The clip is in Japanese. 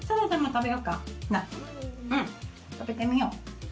うん食べてみよう。